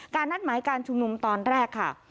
นัดหมายการชุมนุมตอนแรกค่ะ